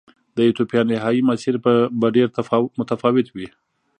د ایتوپیا نهايي مسیر به ډېر متفاوت و.